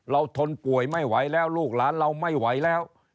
ทนป่วยไม่ไหวแล้วลูกหลานเราไม่ไหวแล้ว